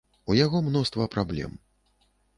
У яго мноства праблем.